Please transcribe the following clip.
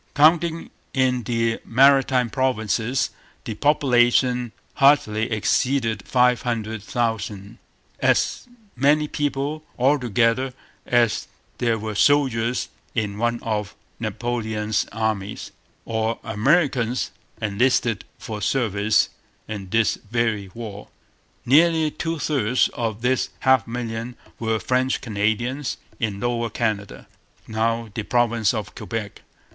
Counting in the Maritime Provinces, the population hardly exceeded five hundred thousand as many people, altogether, as there were soldiers in one of Napoleon's armies, or Americans enlisted for service in this very war. Nearly two thirds of this half million were French Canadians in Lower Canada, now the province of Quebec.